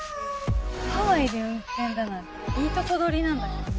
ハワイで運転だなんて、いいとこどりなんだけど。